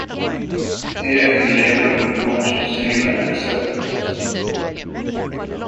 Here he laboured with much zeal and acceptance.